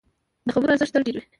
د خبرو ارزښت تل ډېر وي